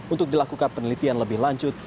untuk dilakukan penelitian lebih lanjut